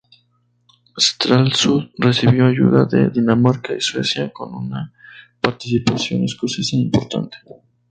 Stralsund recibió ayuda de Dinamarca y Suecia, con una participación escocesa importante.